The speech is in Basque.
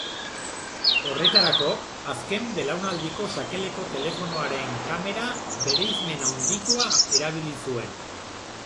Horretarako, azken belaunaldiko sakeleko telefonoaren kamera, bereizmen handikoa, erabili zuen.